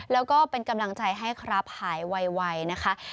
แล้วก็เป็นกำลังใจให้ครับหายไวนะคะ